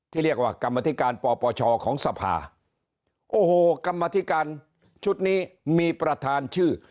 ที่เรียกว่ากรรมธิการปปชของสภาโอ้โหกรรมธิการชุดนี้มีประธานชื่อ